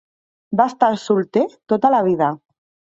Va estar solter tota la vida.